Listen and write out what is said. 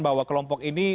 bahwa kelompok ini